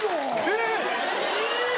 えっえぇ！